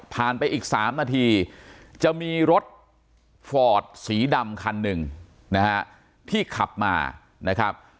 ไปอีก๓นาทีจะมีรถฟอร์ดสีดำคันหนึ่งนะฮะที่ขับมานะครับ